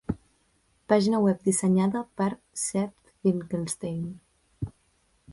Pàgina web dissenyada per Seth Finkelstein.